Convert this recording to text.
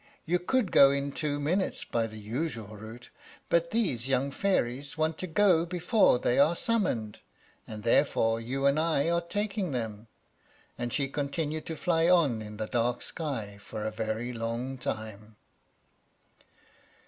You could go in two minutes by the usual route; but these young fairies want to go before they are summoned, and therefore you and I are taking them." And she continued to fly on in the dark sky for a very long time.